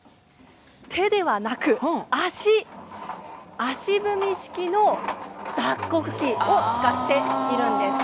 手ではなく足足踏み式の脱穀機を使っているんです。